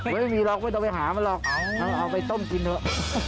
ไม่มีหรอกไม่ต้องไปหามันหรอกเอาไปต้มกินเถอะ